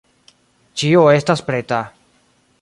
Ĉio estas preta.